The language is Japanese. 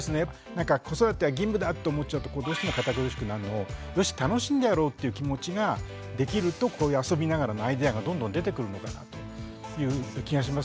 なんか子育ては義務だって思っちゃうとどうしても堅苦しくなるのをよし楽しんでやろうっていう気持ちができるとこういう遊びながらのアイデアがどんどん出てくるのかなという気がしますね。